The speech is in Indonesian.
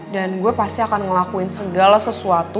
dan gue pasti akan ngelakuin segala sesuatu